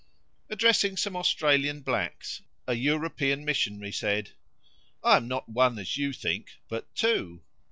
Addressing some Australian blacks, a European missionary said, "I am not one, as you think, but two."